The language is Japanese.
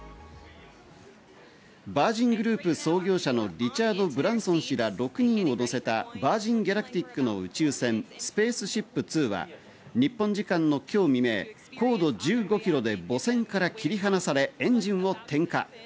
ヴァージングループ創業者のリチャード・ブランソン氏ら６人を乗せたヴァージン・ギャラクティックの宇宙船、スペースシップ２は日本時間の今日未明、高度１５ｋｍで母船から切り離されエンジンを低下。